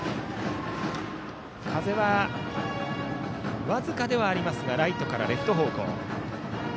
風は、僅かですがライトからレフト方向。